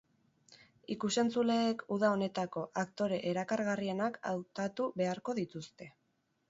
Ikus-entzuleek uda honetako aktore erakargarrienak hautatu beharko dituzte.